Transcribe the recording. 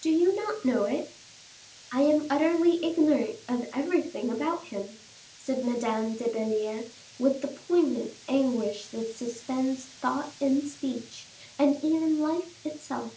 "Do you not know it?" "I am utterly ignorant of everything about him," said Madame de Belliere, with the poignant anguish that suspends thought and speech, and even life itself.